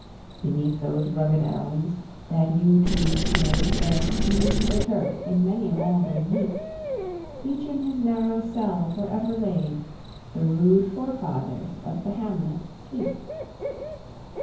Beneath those rugged elms, that yew tree's shade, Where heaves the turf in many a mould'ring heap, Each in his narrow cell forever laid, The rude Forefathers of the hamlet sleep.